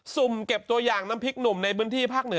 สุ่มเก็บตัวอย่างน้ำพริกหนุ่มในพื้นที่ภาคเหนือ